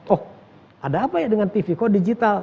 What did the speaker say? oh ada apa ya dengan tv kok digital